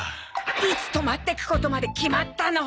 いつ泊まってくことまで決まったの！